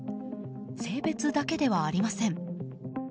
性別だけではありません。